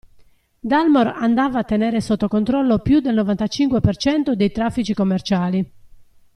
Dalmor andava a tenere sotto controllo più del novantacinque percento dei traffici commerciali.